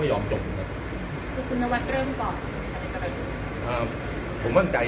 อย่างจริงก่อนไปทำอายุ